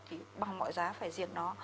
thì bằng mọi giá phải diệt nó